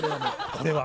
これは？